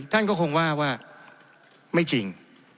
ท่านก็คงว่าว่าไม่จริง